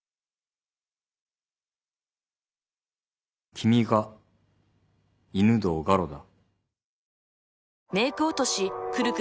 君が犬堂ガロだ。